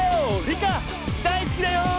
リカ大好きだよ！